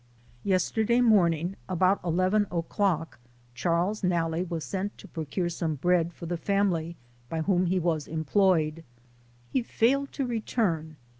Yesterday morning about 11 o'clock, Charles ' Nalle was sent to procure some bread for the family by whom he was employed. He failed to return.